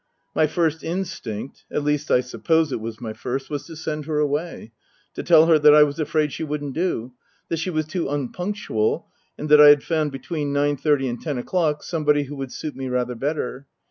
My first instinct (at least, I suppose it was my first) was to send her away ; to tell her that I was afraid she wouldn't do, that she was too unpunctual, and that I had found, between nine thirty and ten o'clock, somebody who would suit me rather better.